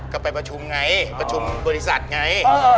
ก็ไปประชุมไงประชุมบริษัทไง